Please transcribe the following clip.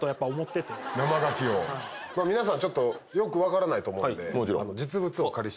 皆さんちょっとよく分からないと思うんで。